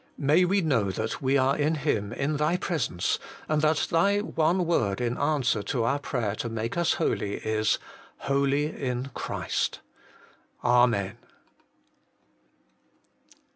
May we know that we are in Him in Thy presence, and that Thy one word in answer to our prayer to make us holy is Holy in Christ. Amen.